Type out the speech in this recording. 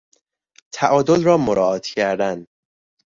تعادل را مراعات کردن